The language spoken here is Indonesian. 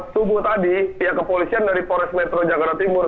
suku tadi pihak kepolisian dari forest metro jakarta timur